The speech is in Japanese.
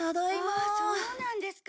「ああそうなんですか」